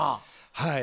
はい。